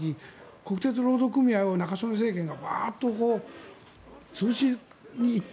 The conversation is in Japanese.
国鉄の労働組合を中曽根政権がバッと潰しに行った。